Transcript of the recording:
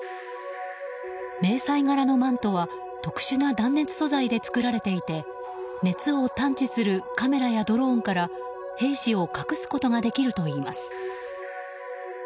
迷彩柄のマントは特殊な断熱素材で作られていて熱を探知するカメラやドローンから兵士を隠すことができるといいます。